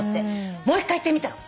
もう一回行ってみたの。